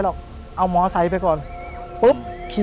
ผมก็ไม่เคยเห็นว่าคุณจะมาทำอะไรให้คุณหรือเปล่า